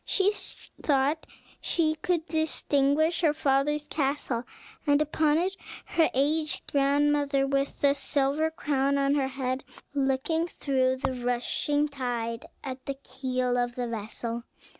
She thought she could distinguish her father's castle, and upon it her aged grandmother, with the silver crown on her head, looking through the rushing tide at the keel of the vessel.